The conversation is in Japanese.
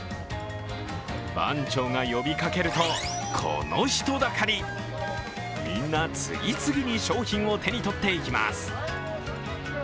番長が呼びかけると、この人だかりみんな次々に商品を手に取っていきます。